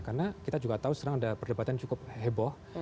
karena kita juga tahu sekarang ada perdebatan cukup heboh